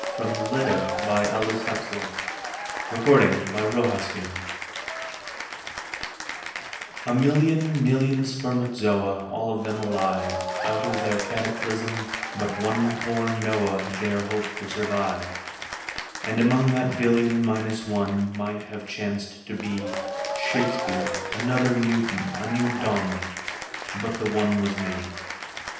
Fifth Philosopher's Song 33 FIFTH PHILOSOPHER'S SONG A MILLION million spermatozoa, All of them alive : Out of their cataclysm but one poor Noah Dare hope to survive. And among that billion minus one Might have chanced to be Shakespeare, another Newton, a new Donne — But the One was Me.